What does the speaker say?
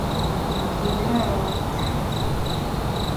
kibiron robta